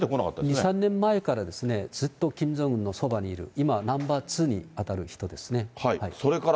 ２、３年前からですね、ずっとキム・ジョンウンのそばにいる、今、ナンバー２に当たる人ですね。